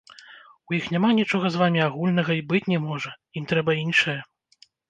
У іх няма нічога з вамі агульнага і быць не можа, ім трэба іншае.